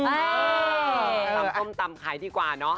ตำส้มตำขายดีกว่าเนอะ